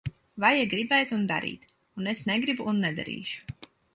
Vajag gribēt un darīt. Un es negribu un nedarīšu.